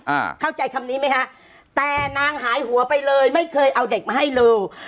อ่าเข้าใจคำนี้ไหมฮะแต่นางหายหัวไปเลยไม่เคยเอาเด็กมาให้เลย